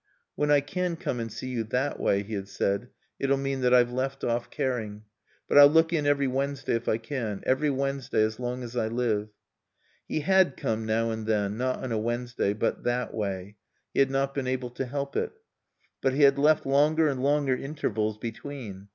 "When I can come and see you that way," he had said, "it'll mean that I've left off caring. But I'll look in every Wednesday if I can. Every Wednesday as long as I live." He had come now and then, not on a Wednesday, but "that way." He had not been able to help it. But he had left longer and longer intervals between.